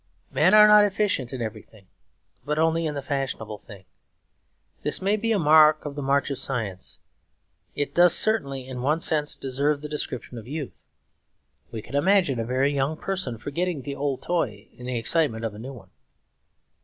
Men are not efficient in everything, but only in the fashionable thing. This may be a mark of the march of science; it does certainly in one sense deserve the description of youth. We can imagine a very young person forgetting the old toy in the excitement of a new one.